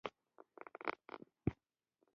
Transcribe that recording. د سړیتوب نښه دا ده چې له نورو سره په اخلاص چلند وکړي.